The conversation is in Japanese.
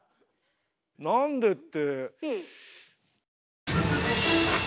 なんでって。